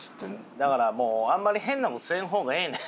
だからもうあんまり変な事せん方がええねん。